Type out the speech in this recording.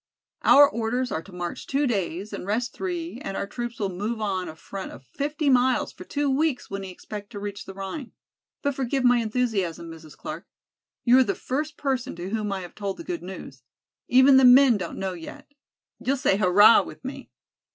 Our orders are to march two days and rest three and our troops will move on a front of fifty miles for two weeks when we expect to reach the Rhine. But forgive my enthusiasm, Mrs. Clark. You are the first person to whom I have told the good news. Even the men don't know yet. You'll say hurrah with me."